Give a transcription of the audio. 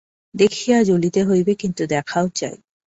দেখিয়া জ্বলিতে হইবে, কিন্তু দেখাও চাই।